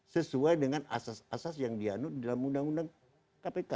sesuai dengan asas asas yang dianut dalam undang undang kpk